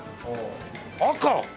赤？